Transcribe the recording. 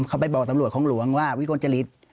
เขาไปบอกตำรวจของหลวงว่าวิกลจริต